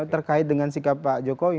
terkait dengan sikap pak jokowi